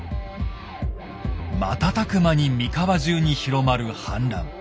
瞬く間に三河中に広まる反乱。